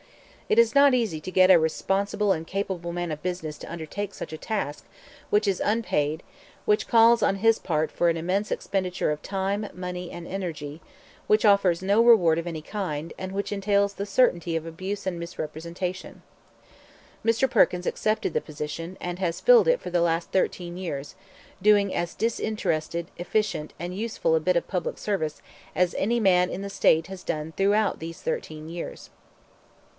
It is not easy to get a responsible and capable man of business to undertake such a task, which is unpaid, which calls on his part for an immense expenditure of time, money, and energy, which offers no reward of any kind, and which entails the certainty of abuse and misrepresentation. Mr. Perkins accepted the position, and has filled it for the last thirteen years, doing as disinterested, efficient, and useful a bit of public service as any man in the State has done throughout these thirteen years.